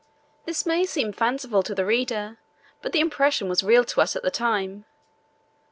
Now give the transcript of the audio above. This may seem fanciful to the reader, but the impression was real to us at the time.